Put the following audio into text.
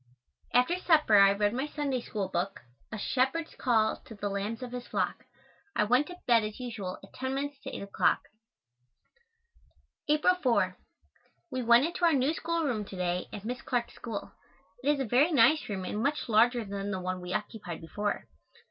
After supper I read my Sunday School book, "A Shepherd's Call to the Lambs of his Flock." I went to bed as usual at ten minutes to 8 o'clock. April 4. We went into our new schoolroom to day at Miss Clark's school. It is a very nice room and much larger than the one we occupied before.